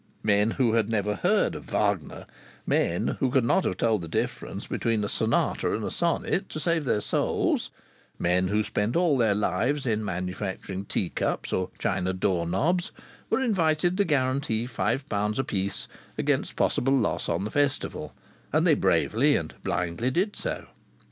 Men who had never heard of Wagner, men who could not have told the difference between a sonata and a sonnet to save their souls, men who spent all their lives in manufacturing tea cups or china door knobs, were invited to guarantee five pounds a piece against possible loss on the festival; and they bravely and blindly did so.